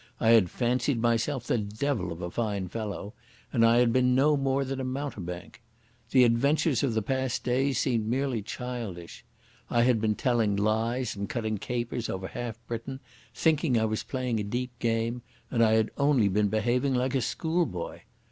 I had fancied myself the devil of a fine fellow, and I had been no more than a mountebank. The adventures of the past days seemed merely childish. I had been telling lies and cutting capers over half Britain, thinking I was playing a deep game, and I had only been behaving like a schoolboy.